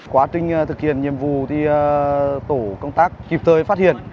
quá trình thực hiện nhiệm vụ thì tổ công tác kịp thời phát hiện